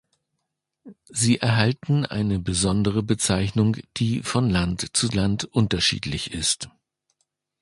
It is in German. Sie erhalten eine besondere Bezeichnung, die von Land zu Land unterschiedlich ist.